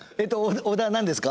織田何ですか？